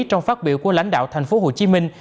trong phát biểu của lãnh đạo thành phố hồ chí minh